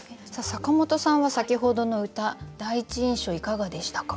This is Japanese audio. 坂本さんは先ほどの歌第一印象いかがでしたか？